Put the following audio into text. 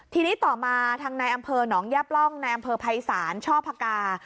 ทีนี้ต่อมาทางในอำเภอหนองยับร่องในอำเภอภัยศาลช่อพกา